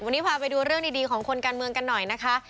วันนี้พาไปดูเรื่องดีของคนการเมืองกันหน่อยนะคะ